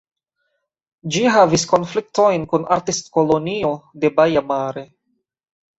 Ĝi havis konfliktojn kun Artistkolonio de Baia Mare.